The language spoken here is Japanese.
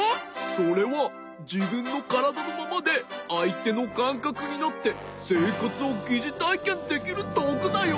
それはじぶんのからだのままであいてのかんかくになってせいかつをぎじたいけんできるどうぐだよ。